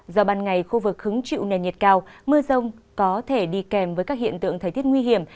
do ban ngày khu vực hứng chịu nền nhiệt cao mưa rông có thể đi kèm với các hiện tượng thời tiết nguy hiểm